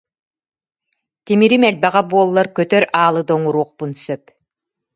«Тимирим элбэҕэ буоллар, көтөр аалы да оҥоруохпун сөп»